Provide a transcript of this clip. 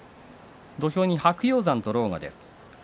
土俵に白鷹山と狼雅です。